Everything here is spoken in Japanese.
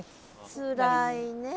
つらいねえ。